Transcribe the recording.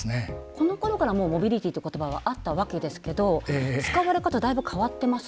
このころからもうモビリティって言葉はあったわけですけど使われ方だいぶ変わってます？